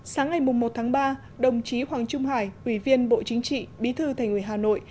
sáng ngày một tháng ba đồng chí hoàng trung hải ủy viên bộ chính trị bí thư thành ủy hà nội